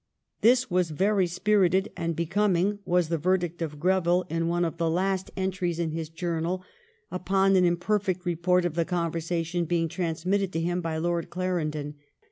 *' This was very spirited and becoming," was the ver dict of Greville in one of the last entries in his journal FRANCE AND THE UNITED STATES. 221 upon an imperfect report of the conversation being^ transmitted to bim by Lord Clarendon.